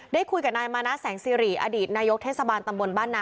ได้คุยกับนายมานะแสงสิริอดีตนายกเทศบาลตำบลบ้านนา